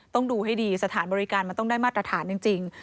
ต้องดูให้ดีสถานบริการมันต้องได้มาตรฐานจริง